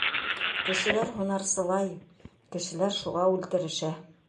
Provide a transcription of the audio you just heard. Кешеләр һунарсылай — кешеләр шуға үлте-решә.